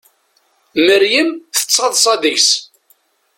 Meryem tettaḍsa deg-s.